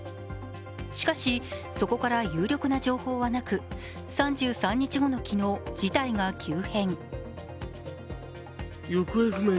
しかし、そこから有力な情報はなく３３日後の昨日、事態が急変。